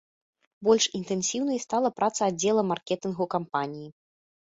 Больш інтэнсіўнай стала праца аддзела маркетынгу кампаніі.